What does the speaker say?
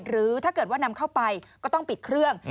หรือถ้าเกิดว่านำเข้าไปก็ต้องปิดเครื่อง